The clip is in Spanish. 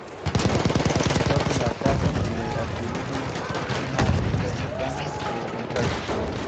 Al Pintor de la caza se le atribuyen una veintena de ejemplares.